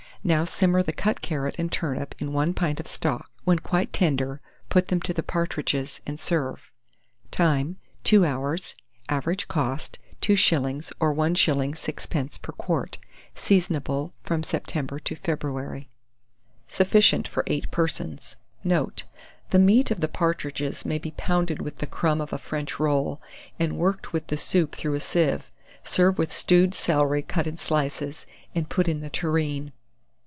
Now simmer the cut carrot and turnip in 1 pint of stock; when quite tender, put them to the partridges, and serve. Time. 2 hours. Average cost, 2s. or 1s. 6d. per quart. Seasonable from September to February. Sufficient for 8 persons. Note. The meat of the partridges may be pounded with the crumb of a French roll, and worked with the soup through a sieve. Serve with stewed celery cut in slices, and put in the tureen.